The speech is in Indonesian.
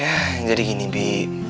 ya jadi gini bi